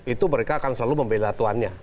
itu mereka akan selalu membela tuannya